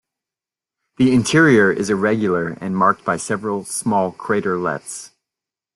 The interior is irregular and marked by several small craterlets.